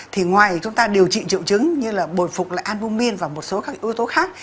thì ngoài chúng ta điều trị triệu chứng như là bồi phục lại anbumin và một số các yếu tố khác